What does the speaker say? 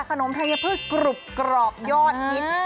คนมทายพลึกกรุบกรอบยอดฮิต